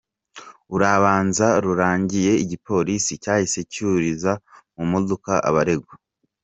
Urubanza rurangiye, igipolisi cyahise cyuriza mu modoka abaregwa.